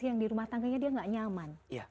yang di rumah tangganya dia nggak nyaman